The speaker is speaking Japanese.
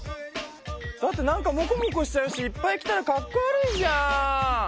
だってなんかモコモコしちゃうしいっぱい着たらかっこ悪いじゃん。